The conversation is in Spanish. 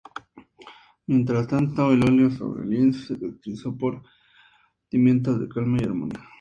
Mientras tanto, el óleo sobre lienzo es caracterizado por sentimientos de calma y armonía.